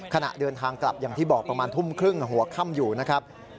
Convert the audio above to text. ขณะเดินทางกลับอย่างที่บอกประมาณทุ่มครึ่งหัวค่ำอยู่นะครับ